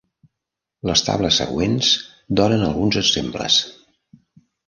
Les tables següents donen alguns exemples.